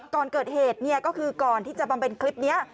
ก่อนเกิดเหตุเนี่ยก็คือก่อนที่จะบำเน็ตคลิปนี้